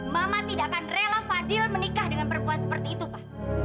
mama tidak akan rela fadil menikah dengan perempuan seperti itu pak